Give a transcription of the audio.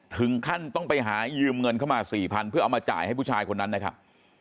ถึงขั้นต้องไปหายืมเงินเข้ามา๔๐๐๐เพื่อเอามาจ่ายให้ผู้ชายคนนั้นนะครับ